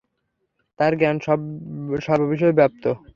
তার জ্ঞান সর্ববিষয়ে ব্যপ্ত।